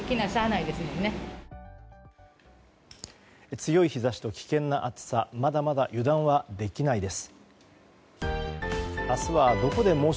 強い日差しと危険な暑さまだまだ油断はできないです。